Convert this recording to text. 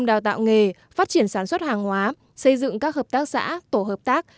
đào tạo nghề phát triển sản xuất hàng hóa xây dựng các hợp tác xã tổ hợp tác